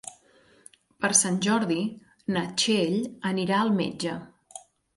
Per Sant Jordi na Txell anirà al metge.